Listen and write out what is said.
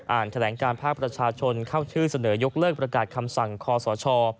อ่านแถลงการภาคประชาชนเข้าชื่อเสนอยกเลิกประกาศคำสั่งคอสช